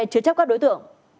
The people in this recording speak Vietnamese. chứa chấp các thông tin